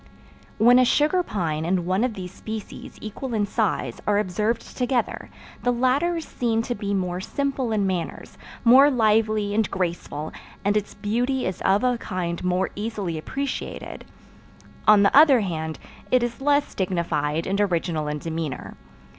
When a sugar pine and one of this species equal in size are observed together, the latter is seen to be more simple in manners, more lively and graceful, and its beauty is of a kind more easily appreciated; on the other hand it is less dignified and original in demeanor.